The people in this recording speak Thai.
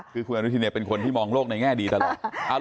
คือคุณอนุทินเป็นคนที่มองโลกในแง่ดีตลอด